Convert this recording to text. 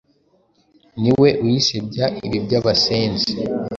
ni we uyisebya ibi by’abasenzi